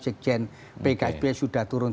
sekjen pksb sudah turun